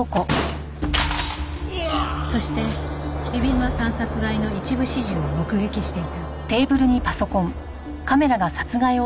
そして海老沼さん殺害の一部始終を目撃していた。